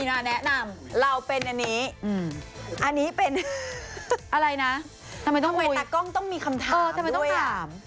แนะนำเราเป็นอันนี้อันนี้เป็นอะไรนะทำไมต้องอุ๋ยต้องมีคำถามด้วยเออทำไมต้องถาม